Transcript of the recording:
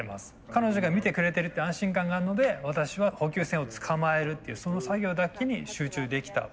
彼女が見てくれてるって安心感があるので私は補給船を捕まえるっていうその作業だけに集中できた。